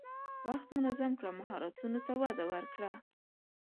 وخت منظم کړه، مهارتونو ته وده ورکړه.